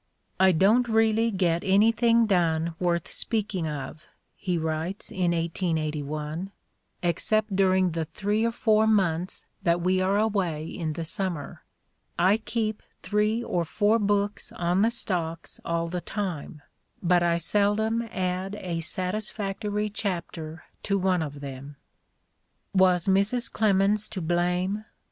"I don't really get anything i68 The Ordeal of Mark Twain done worth speaking of," he writes in 1881, "except during the three or four months that we are away in the summer. ... I keep three or four books on the stocks all the time, but I seldom add a satisfactory chapter to one of them." Was Mrs. Clemens to blame?